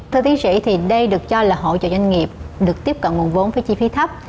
thưa tiến sĩ thì đây được cho là hỗ trợ doanh nghiệp được tiếp cận nguồn vốn với chi phí thấp